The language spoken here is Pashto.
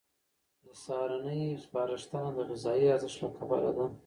د سهارنۍ سپارښتنه د غذایي ارزښت له کبله ده.